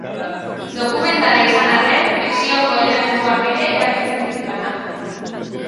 Dokumentala izan arren, fikzioko elementuak ere erabiltzen ditu lanak.